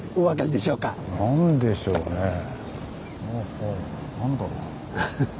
何でしょうね。